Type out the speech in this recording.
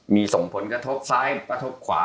มีส่งผลกระทบซ้ายกระทบขวา